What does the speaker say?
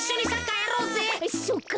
そっか